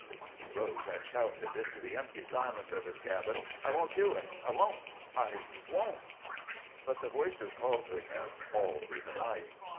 _" He rose and shouted into the empty silence of his cabin. "I won't do it! I won't! I won't!" But the voices called to him all through the night.